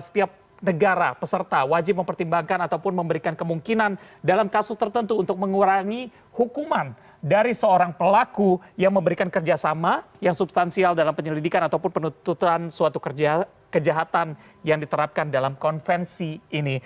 setiap negara peserta wajib mempertimbangkan ataupun memberikan kemungkinan dalam kasus tertentu untuk mengurangi hukuman dari seorang pelaku yang memberikan kerjasama yang substansial dalam penyelidikan ataupun penutupan suatu kejahatan yang diterapkan dalam konvensi ini